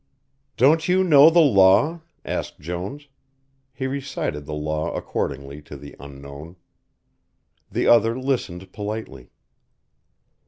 "Don't you know the law?" asked Jones. He recited the law accordingly, to the Unknown. The other listened politely.